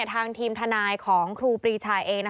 ทางทีมทนายของครูปรีชาเอง